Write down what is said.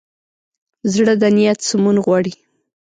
زړه د نیت سمون غواړي.